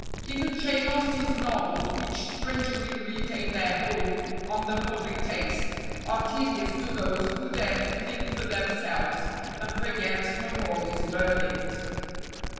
Even Jane Austen's novels, which strangely retain their hold on the public taste, are tedious to those who dare to think for themselves and forget Macaulay's verdict.